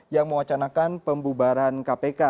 yang mewacanakan pembubaran kpk